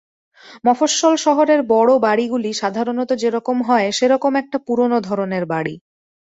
মফস্বল শহরের বড় বাড়িগুলি সাধারণত যে-রকম হয়, সে-রকম একটা পুরনো ধরনের বাড়ি।